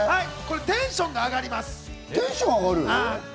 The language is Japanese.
これテンションが上がります。